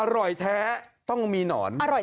อร่อยแท้ต้องมีหนอน